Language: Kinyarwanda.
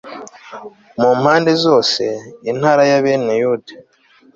mu mpande zose, intara ya bene yuda